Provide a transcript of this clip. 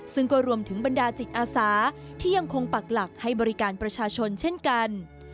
ซึ่งก็รวมถึงบรรดาจิตอาสาที่ยังคงปักหลักให้บริการประชาชนเช่นกัน